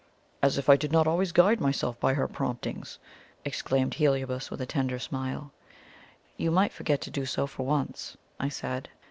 "As if I did not always guide myself by her promptings!" exclaimed Heliobas, with a tender smile. "You might forget to do so for once," I said.